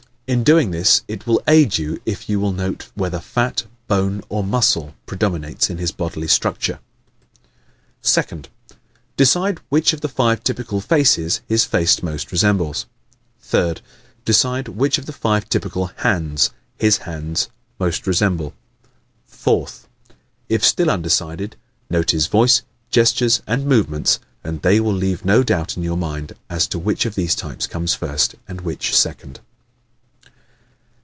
(In doing this it will aid you if you will note whether fat, bone or muscle predominates in his bodily structure.) 2nd. Decide which of the five typical faces his face most resembles. 3rd. Decide which of the five typical hands his hands most resemble. 4th. If still undecided, note his voice, gestures and movements and they will leave no doubt in your mind as to which of these types comes first and which second.